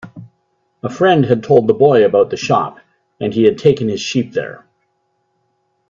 A friend had told the boy about the shop, and he had taken his sheep there.